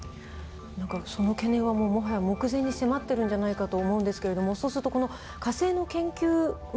なんかその懸念はもうもはや目前に迫ってるんじゃないかと思うんですけれどもそうするとこの火星の研究また移住の研究